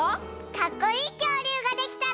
かっこいいきょうりゅうができたら。